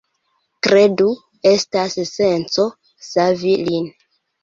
Kredu, estas senco savi lin.